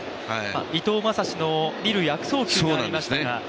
伊藤将司の二塁悪送球がありましたが